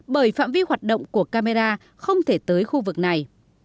bởi phạm vi hoạt động của camera không thể tới khu vực này